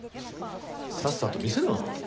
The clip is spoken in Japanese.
さっさと見せろ。